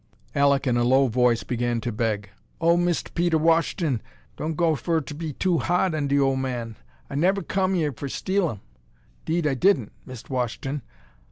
Alek, in a low voice, began to beg. "Oh, Mist' Peter Wash'ton, don' go fer ter be too ha'd on er ole man! I nev' come yere fer ter steal 'em. 'Deed I didn't, Mist' Wash'ton!